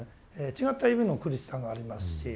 違った意味の苦しさがありますし。